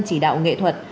chỉ đạo nghệ thuật